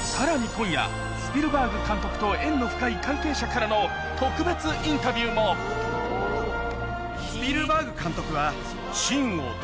今夜スピルバーグ監督と縁の深い関係者からの特別インタビューもスピルバーグ監督は。